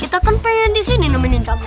kita kan pengen di sini nemenin kamu